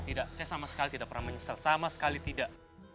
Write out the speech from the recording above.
tidak saya sama sekali tidak pernah menyesal sama sekali tidak